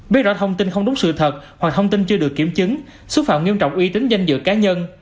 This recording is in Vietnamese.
biết rõ thông tin không đúng sự thật hoặc thông tin chưa được kiểm chứng xúc phạm nghiêm trọng uy tín danh dự cá nhân